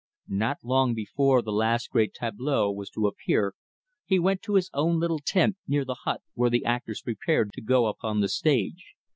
Not long before the last great tableau was to appear he went to his own little tent near the hut where the actors prepared to go upon the stage.